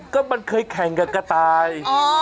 ก็มันเคยแข่งกับกระต่าย